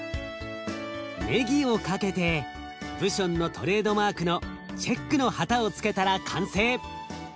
ねぎをかけてブションのトレードマークのチェックの旗をつけたら完成。